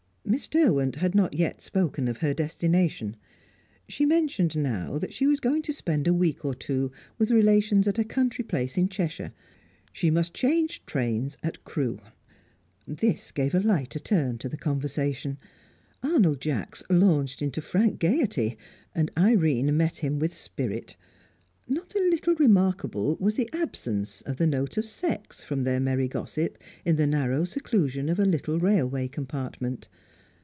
Miss Derwent had not yet spoken of her destination. She mentioned, now, that she was going to spend a week or two with relations at a country place in Cheshire. She must change trains at Crewe. This gave a lighter turn to the conversation. Arnold Jacks launched into frank gaiety, and Irene met him with spirit. Not a little remarkable was the absence of the note of sex from their merry gossip in the narrow seclusion of a little railway compartment.